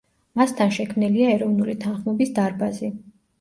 მასთან შექმნილია ეროვნული თანხმობის დარბაზი.